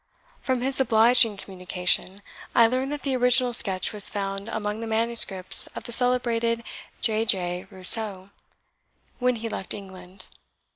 From his obliging communication, I learn that the original sketch was found among the manuscripts of the celebrated J. J. Rousseau, when he left England.